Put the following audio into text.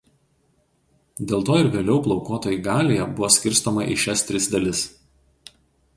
Dėl to ir vėliau Plaukuotoji Galija buvo skirstoma į šias tris dalis.